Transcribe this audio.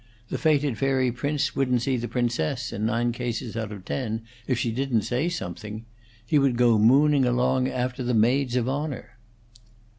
The fated fairy prince wouldn't see the princess in nine cases out of ten if she didn't say something; he would go mooning along after the maids of honor."